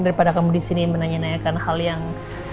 daripada kamu disini menanyakan hal yang